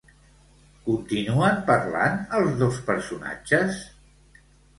Continuen parlant els dos personatges?